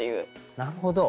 なるほど。